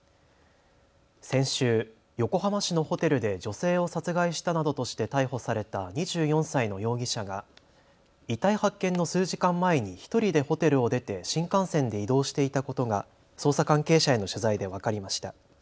先週、横浜市のホテルで女性を殺害したなどとして逮捕された２４歳の容疑者が遺体発見の数時間前に１人でホテルを出て新幹線で移動していたことが捜査関係者への取材で分かりました。